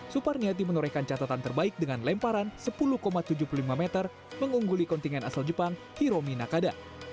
suparniati menorehkan catatan terbaik dengan lemparan sepuluh tujuh puluh lima meter mengungguli kontingen asal jepang hiromi nakada